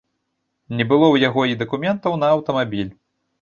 Не было ў яго і дакументаў на аўтамабіль.